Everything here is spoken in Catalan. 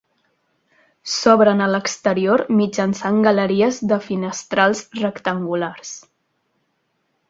S'obren a l'exterior mitjançant galeries de finestrals rectangulars.